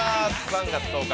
３月１０日